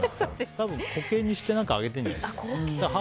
多分、固形にしてあげてるんじゃないですか？